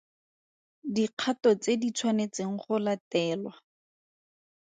Dikgato tse di tshwanetseng go latelwa.